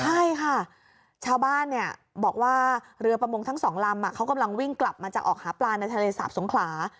ใช่ค่ะชาวบ้านเนี่ยบอกว่าเรือประมงทั้งสองลำเขากำลังวิ่งกลับมาจะออกหาปลาในทะเลสาบสงขลา